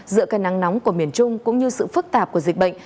giữa cây nắng nóng của miền trung cũng như sự phức tạp của dịch bệnh